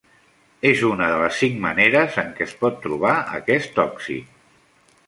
És una de les cinc maneres en què es pot trobar aquest òxid.